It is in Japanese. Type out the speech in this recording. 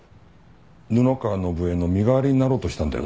布川伸恵の身代わりになろうとしたんだよな？